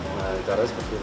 nah cara seperti ini